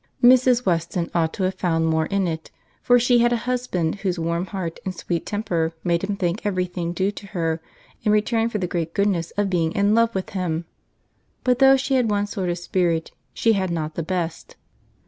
Mrs. Weston ought to have found more in it, for she had a husband whose warm heart and sweet temper made him think every thing due to her in return for the great goodness of being in love with him; but though she had one sort of spirit, she had not the best.